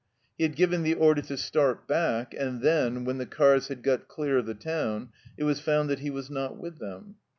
He had given the order to start back, and then, when the cars had got clear of the town, it was found that he was not with them.